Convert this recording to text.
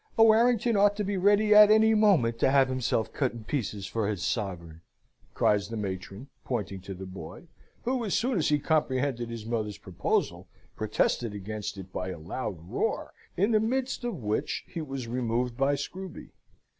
a Warrington ought to be ready at any moment to have himself cut in pieces for his sovereign!" cries the matron, pointing to the boy; who, as soon as he comprehended his mother's proposal, protested against it by a loud roar, in the midst of which he was removed by Screwby.